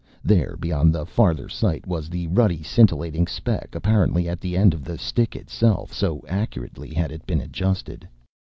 There beyond the farther sight was the ruddy, scintillating speck, apparently at the end of the stick itself, so accurately had it been adjusted.